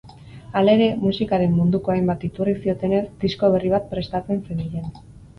Halere, musikaren munduko hainbat iturrik ziotenez, disko berri bat prestatzen zebilen.